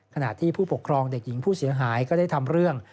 ขณะที่ผู้ปกครองเด็กหญิงผู้เสียหายก็ได้ทำเรื่อง